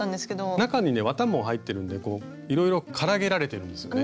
中にね綿も入ってるんでいろいろからげられてるんですね。